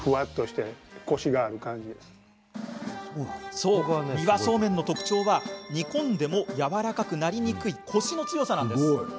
そう、三輪そうめんの特徴は煮込んでもやわらかくなりにくいコシの強さなんです。